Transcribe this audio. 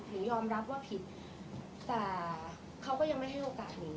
ยอมรับว่าผิดแต่เขาก็ยังไม่ให้โอกาสหนู